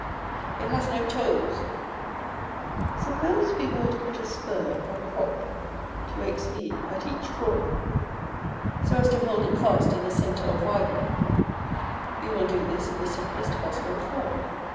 It has no toes. Suppose we were to put a spur or prop to Xb at each corner, so as to hold it fast in the centre of Yb. We will do this in the simplest possible form.